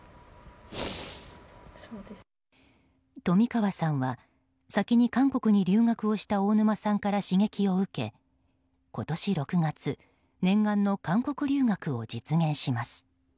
冨川さんは先に韓国に留学をした大沼さんから刺激を受け今年６月念願の韓国留学を実現します。